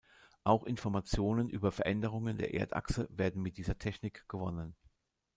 Auch Informationen über Veränderungen der Erdachse werden mit dieser Technik gewonnen.